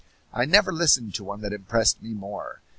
I never listened to one that impressed me more.